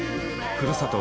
ふるさと